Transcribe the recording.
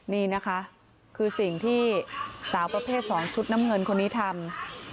นี่นะคะคือสิ่งที่สาวประเภท๒ชุดน้ำเงินคนนี้ทำ